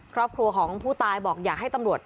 ครอบครัวของผู้ตายบอกอยากให้ตำรวจ